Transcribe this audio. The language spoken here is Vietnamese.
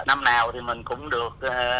năm nào thì mình cũng được